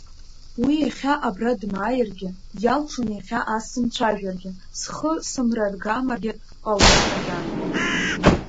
Уи иахьа абра дмааиргьы, иалшон иахьа ас сымцәажәаргьы, схы сымраргамаргьы ҟалон макьана.